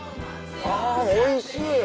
あおいしい。